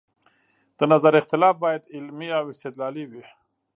د نظر اختلاف باید علمي او استدلالي وي